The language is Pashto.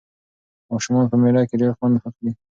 ماشومان په مېله کې ډېر خوند اخلي.